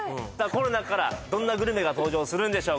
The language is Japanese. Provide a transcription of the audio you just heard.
この中からどんなグルメが登場するんでしょうか？